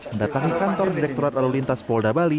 mendatangi kantor direkturat lalu lintas polda bali